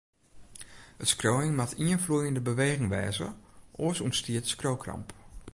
It skriuwen moat ien floeiende beweging wêze, oars ûntstiet skriuwkramp.